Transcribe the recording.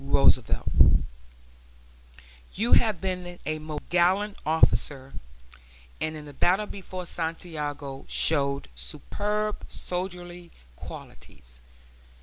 ROOSEVELT: You have been a most gallant officer and in the battle before Santiago showed superb soldierly qualities.